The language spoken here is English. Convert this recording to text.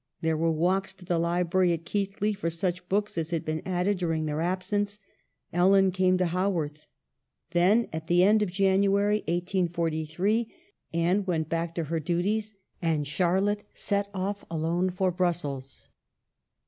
There were walks to the library at Keighley for such books as had been added during their ab sence. Ellen came to Haworth. Then, at the THE RECALL. 141 end of January, 1843, Anne went back to her duties, and Charlotte set off alone for Brussels.